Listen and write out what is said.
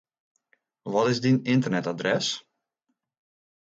Wat is dyn ynternetadres?